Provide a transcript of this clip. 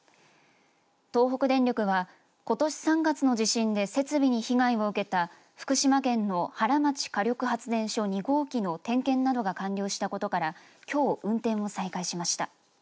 東北電力は、ことし３月の地震で設備に被害を受けた福島県の原町火力発電所２号機の点検などが完了したことからきょう運転を再開しました。